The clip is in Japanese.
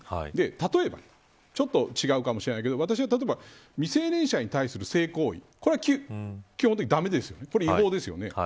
例えば、ちょっと違うかもしれないけど未成年者に対する性行為これは基本的に駄目ですよね、違法ですよね。